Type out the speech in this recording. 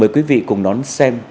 mời quý vị cùng đón xem